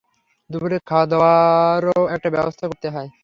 দুপুরের খাওয়াদাওয়ারও একটা ব্যবস্থা করতে হয়।